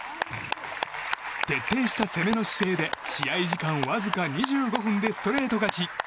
徹底した攻めの姿勢で試合時間わずか２５分でストレート勝ち。